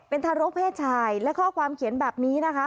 เป็นทารกเพศชายและข้อความเขียนแบบนี้นะคะ